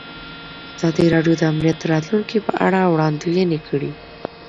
ازادي راډیو د امنیت د راتلونکې په اړه وړاندوینې کړې.